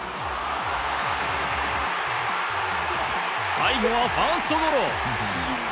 最後はファーストゴロ。